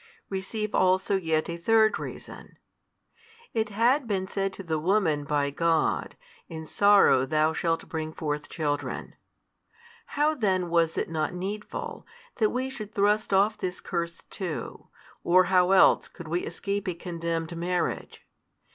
Receive also yet a third reason. It had been said to the woman by God, In sorrow thou shalt bring forth children. How then was it not needful that we should thrust off this curse too, or how else could we escape a condemned marriage?